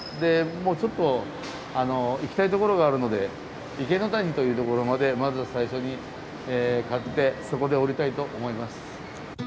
もうちょっと行きたい所があるので池谷という所までまず最初に買ってそこで降りたいと思います。